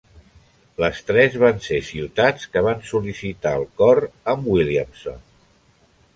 Les tres van ser ciutats que van sol·licitar el cor amb Williamson.